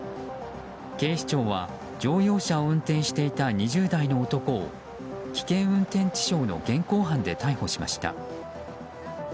警視庁は乗用車を運転していた２０代の男を危険運転致傷の現行犯で逮捕しました。